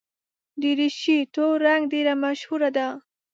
دریشي تور رنګ ډېره مشهوره ده.